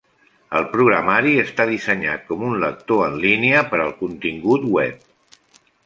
El programari està dissenyat com un lector en línia per al contingut web.